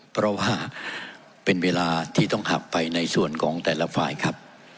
เพราะว่าเป็นเวลาที่ต้องหักไปในส่วนของแต่ละฝ่ายครับ